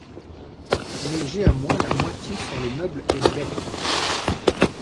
Mais j’ai à moi la moitié sur les meubles et les bêtes...